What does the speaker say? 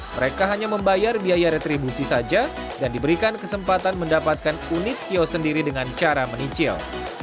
mereka hanya membayar biaya retribusi saja dan diberikan kesempatan mendapatkan unit kios sendiri dengan cara menicil